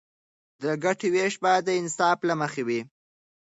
د ګټې ویش باید د انصاف له مخې وي.